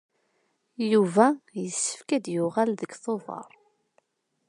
Yuba yessefk ad d-yuɣal deg Tubeṛ.